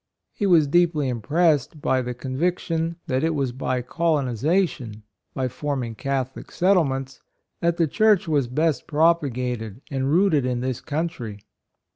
He was deeply impressed with the con viction that it was by colonization — by forming Catholic settlements, that the Church was best propa gated and rooted in this country.